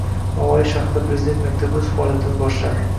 Navoiy shahrida Prezident maktabi o‘z faoliyatini boshlading